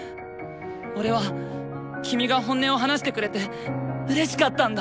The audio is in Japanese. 俺は君が本音を話してくれてうれしかったんだ。